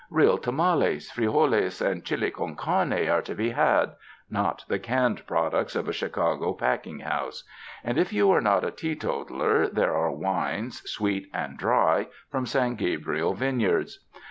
Real tamales, frijoles and chili con came are to be had — not the canned products of a Chicago packing house; and, if you are not a teetotaler, there are wines, sweet and dry, from San Gabriel vineyards.